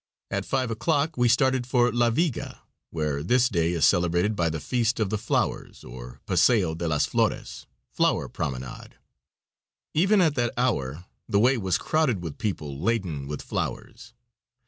At five o'clock we started for La Viga, where this day is celebrated by the Feast of the Flowers, or Paseo de las Flores (Flower Promenade). Even at that hour the way was crowded with people laden with flowers.